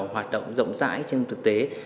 hoạt động rộng rãi trên thực tế